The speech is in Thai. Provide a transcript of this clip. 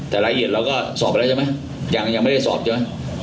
แต่รายละเอียดเราก็สอบไปแล้วใช่ไหมยังไม่ได้สอบใช่ไหม